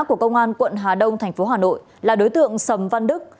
của công an quận hà đông thành phố hà nội là đối tượng sầm văn đức